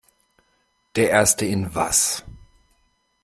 Der Erste in was?